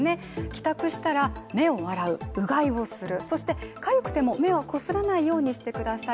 帰宅したら目を洗う、うがいをする、そしてかゆくても、目はこすらないようにしてください。